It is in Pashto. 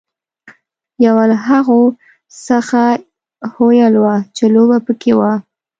یوه له هغو څخه هویل وه چې لوبه پکې وه.